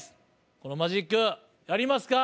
このマジックやりますか？